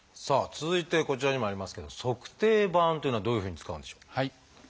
さあ続いてこちらにもありますけど「足底板」というのはどういうふうに使うんでしょう？